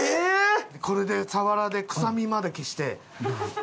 これでサワラで臭みまで消して。